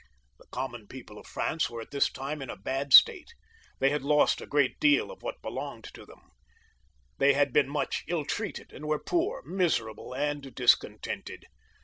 The common people of France were at this time in a bad state ; they had lost a great deal of what belonged to them, they had been much ill treated, and were poor. 172 JOHN (LE BON). [CH. miserable, and discontented.